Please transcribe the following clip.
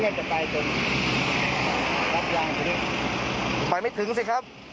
นี่มันจะไปจนรถยางที่นี่ไปไม่ถึงสิครับ